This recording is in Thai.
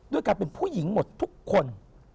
ด้วยการเป็นผู้หญิงหมดทุกคน